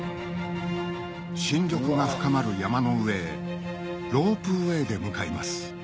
新緑が深まる山の上へロープウエーで向かいます